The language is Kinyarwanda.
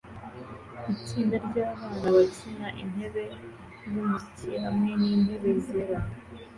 Itsinda ryabana bakina intebe zumuziki hamwe nintebe zera